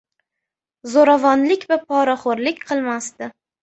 zo‘ravonlik va poraxo‘rlik qilmasdi.